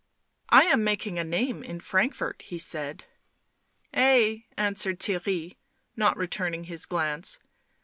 " I am making a name in Frankfort," he said. " Ay," answered Theirry, not returning his glance.